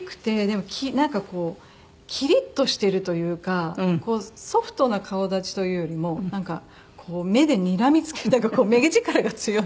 でもなんかこうキリッとしてるというかこうソフトな顔立ちというよりもなんかこう目でにらみ付けた目力が強いので。